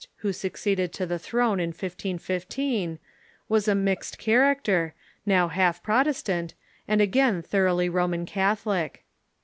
who succeeded to the throne in 1515, was a mixed character, now half Protestant, and again thoroughly Roman Catholic.